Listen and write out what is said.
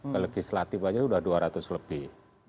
ke legislatif aja sudah dua ratus lebih